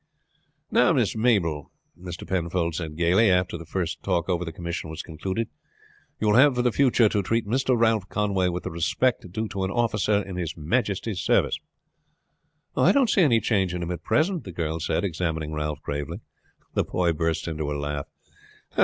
"Now, Miss Mabel," Mr. Penfold said gayly, after the first talk over the commission was concluded, "you will have for the future to treat Mr. Ralph Conway with the respect due to an officer in his majesty's service." "I don't see any change in him at present," the girl said, examining Ralph gravely. The boy burst into a laugh.